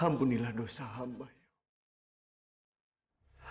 alhamdulillah dosa hamba ya allah